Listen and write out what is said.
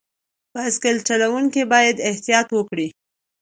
بایسکل چلوونکي باید احتیاط وکړي.